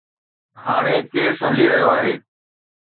هاڻي ڪيس هلي رهيو آهي.